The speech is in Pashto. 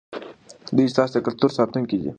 دوی ستاسې د کلتور ساتونکي دي.